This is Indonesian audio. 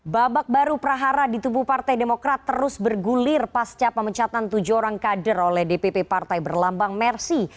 babak baru prahara di tubuh partai demokrat terus bergulir pasca pemecatan tujuh orang kader oleh dpp partai berlambang mersi